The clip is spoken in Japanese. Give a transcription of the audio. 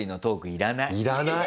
要らない。